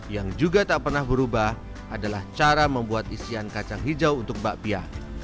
yang juga tak pernah berubah adalah cara membuat isian kacang hijau untuk bakpia